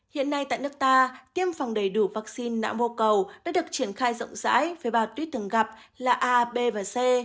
hiện nay tại nước ta tiêm phòng đầy đủ vaccine nã mô cầu đã được triển khai rộng rãi với bào tuyết thường gặp là a b và c